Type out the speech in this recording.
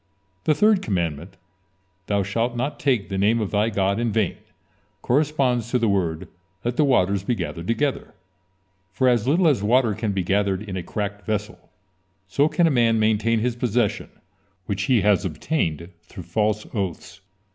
The third commandment: "Thou shalt not take the name of thy God in vain" corresponds to the word: "Let the waters be gathered together," for as little as water can be gathered in a cracked vessel, so can a man maintain his possession which he has obtained through false oaths.